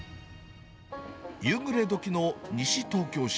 夕暮れ時の西東京市。